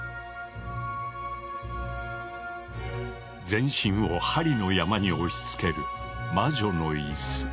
全身を針の山に押しつける魔女の椅子。